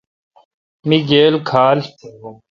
می گیل کھال۔